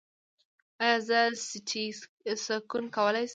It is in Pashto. ایا زه سټي سکن کولی شم؟